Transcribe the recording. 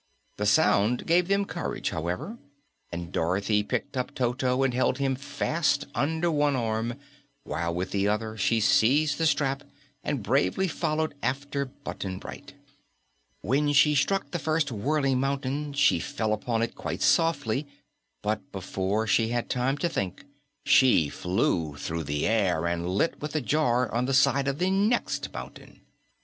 The sound gave them courage, however, and Dorothy picked up Toto and held him fast under one arm while with the other hand she seized the strap and bravely followed after Button Bright. When she struck the first whirling mountain, she fell upon it quite softly, but before she had time to think, she flew through the air and lit with a jar on the side of the next mountain.